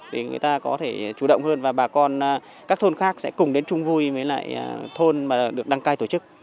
để người ta có thể chủ động hơn và bà con các thôn khác sẽ cùng đến chung vui với lại thôn mà được đăng cai tổ chức